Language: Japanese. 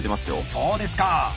そうですか。